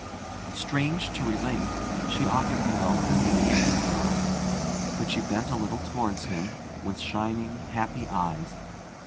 Strange to relate, she offered no immediate reply, but she bent a little towards him with shining, happy eyes.